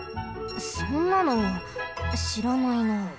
そんなのしらないなあ。